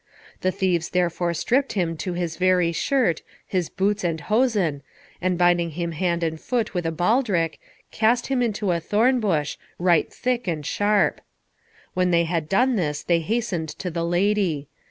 The thieves therefore stripped him to his very shirt, his boots and hosen, and binding him hand and foot with a baldrick, cast him into a thorn bush, right thick and sharp. When they had done this they hastened to the lady.